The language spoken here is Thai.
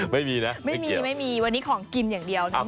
ไม่มีนะไม่มีวันนี้ของกินอย่างเดียวน้องเม้น